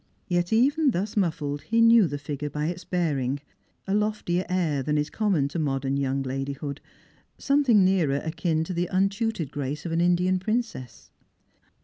Yet even thus muffled he knew the figure by its bearing ; a loftier air than is common to modern young lady hood — some thing nearer akin to the untutored grace of an Indian princess.